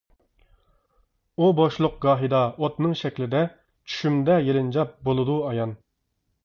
ئۇ بوشلۇق گاھىدا ئوتنىڭ شەكلىدە چۈشۈمدە يېلىنجاپ بولىدۇ ئايان.